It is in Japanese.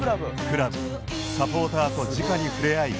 クラブサポーターとじかにふれあい